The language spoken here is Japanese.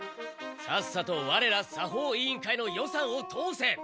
さっさとわれら作法委員会の予算を通せ！